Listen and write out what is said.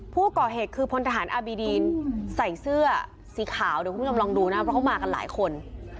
ผู้ก่อเหตุคือพลทหารอาบีดีนใส่เสื้อสีขาวเดี๋ยวคุณผู้ชมลองดูนะเพราะเขามากันหลายคน